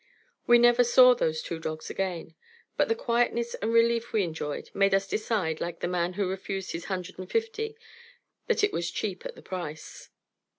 We never saw those two dogs again; but the quietness and relief we enjoyed made us decide, like the man who refused his hundred and fifty, that it was cheap at the price.